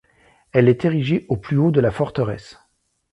Elle est érigée au plus haut de la forteresse.